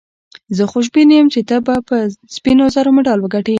زه خوشبین یم چي ته به د سپینو زرو مډال وګټې.